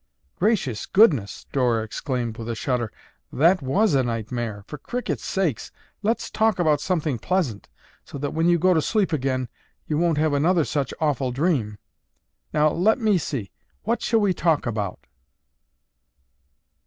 "Gracious goodness," Dora exclaimed with a shudder. "That was a nightmare! For cricket's sakes, let's talk about something pleasant so that when you go to sleep again, you won't have another such awful dream. Now, let me see, what shall we talk about?"